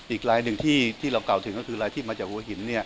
อีกลายหนึ่งที่เรากล่าวถึงก็คือลายที่มาจากหัวหิน